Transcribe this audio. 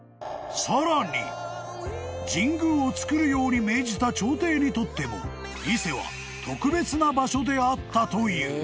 ［神宮を造るように命じた朝廷にとっても伊勢は特別な場所であったという］